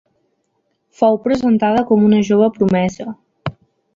Fou presentada com una jove promesa.